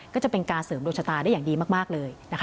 ก็จะเป็นการเสริมโดจตาได้อย่างดีมากเลย